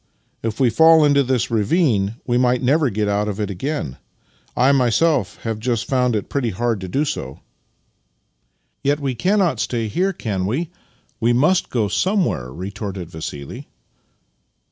If we fall into this ravine we might never get out of it again. I myself have just found it pretty hard to do so." " Yet we cannot stay here, can we? We must go sojnewhere," retorted Vassili.